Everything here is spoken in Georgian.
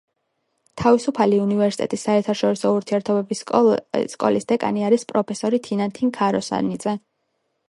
თავისუფალი უნივერსიტეტის საერთაშორისო ურთიერთობების სკოლის დეკანი არის პროფესორი თინათინ ქაროსანიძე.